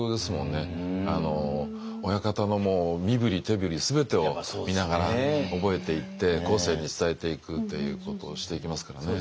あの親方の身振り手振り全てを見ながら覚えていって後世に伝えていくということをしていきますからね。